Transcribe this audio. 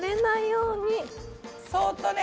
そっとね。